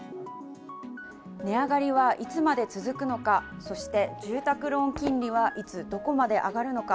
値上がりはいつまで続くのか、そして、住宅ローン金利は、いつ、どこまで上がるのか。